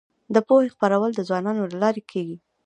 د پوهې خپرول د ځوانانو له لارې کيږي.